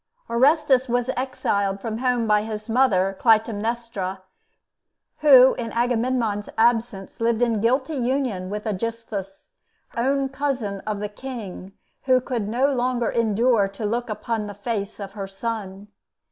Orestes was exiled from home by his mother Clytemnestra, who in Agamemnon's absence lived in guilty union with Aegisthus, own cousin of the King, and who could no longer endure to look upon the face of her son.